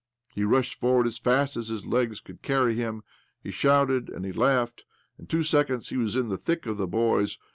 He rushed forward as fast as his legs could carry him, he shouted and he laughed. In two seconds he was in the thick of the boys.